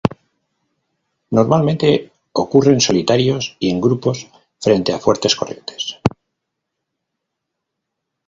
Normalmente ocurren solitarios, y en grupos frente a fuertes corrientes.